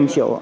năm triệu ạ